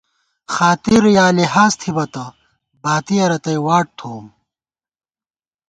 خاطر یا لحاظ تھِبہ تہ باتِیَہ رتئ واٹ تھووُم